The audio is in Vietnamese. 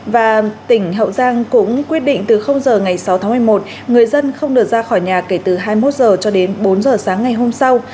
và tỉnh hậu giang cũng quyết định từ h ngày sáu tháng một mươi một người dân không được ra khỏi nhà kể từ hai mươi một h cho đến bốn h sáng ngày hôm sau